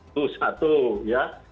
itu satu ya